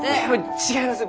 違います。